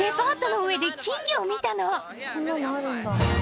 そんなのあるんだ。